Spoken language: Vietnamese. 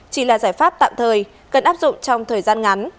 chỉ là giải pháp tạm thời cần áp dụng trong thời gian ngắn